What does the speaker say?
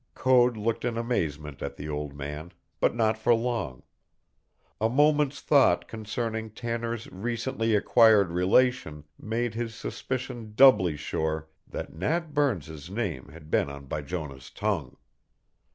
Code looked in amazement at the old man, but not for long. A moment's thought concerning Tanner's recently acquired relation made his suspicion doubly sure that Nat Burns's name had been on Bijonah's tongue.